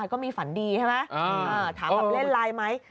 ก็มีฝันดีใช่ไหมถามว่าไลน์ไลม่ย